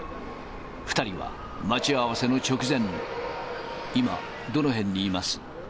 ２人は待ち合わせの直前、今、どの辺にいます？